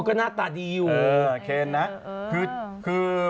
ก็หน้าตราดีอยู่